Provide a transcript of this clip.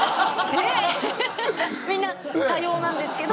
みんな多様なんですけど。